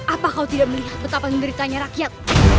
apa kau tidak melihat betapa menderitanya rakyat